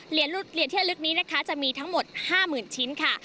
เหรียญที่ละลึกนี้จะมีทั้งหมด๕หมื่นชิ้นค่ะ